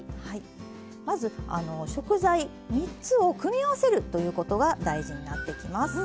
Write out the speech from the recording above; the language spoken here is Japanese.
まず食材３つを組み合わせるということが大事になってきます。